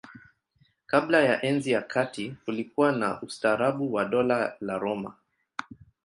Kabla ya Enzi ya Kati kulikuwa na ustaarabu wa Dola la Roma.